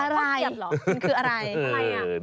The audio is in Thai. อะไรมันคืออะไร